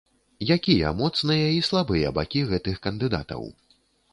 Якія моцныя і слабыя бакі гэтых кандыдатаў?